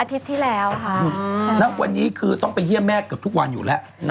ที่แล้วค่ะณวันนี้คือต้องไปเยี่ยมแม่เกือบทุกวันอยู่แล้ว